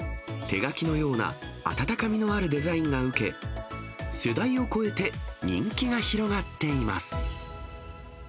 手書きのような温かみのあるデザインが受け、世代を超えて人気が広がっています。